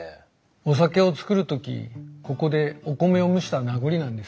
お酒を造る時ここでお米を蒸した名残なんですよ。